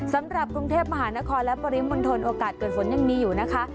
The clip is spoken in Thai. สำหรับกรุงเทพมหานครและปริมณฑลโอกาสเกิดฝนยังมีอยู่นะคะ